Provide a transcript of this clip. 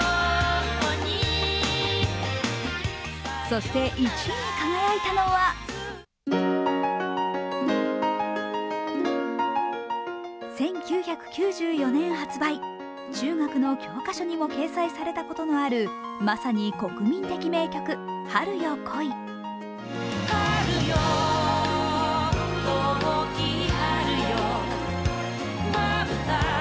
そして１位に輝いたのは１９９４年発売、中学の教科書にも掲載されたことのあるまさに国民的名曲「春よ、来い」。